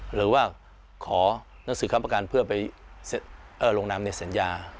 หรือว่าขอหนังสือคำประกันเพื่อไปลงนามในสัญญา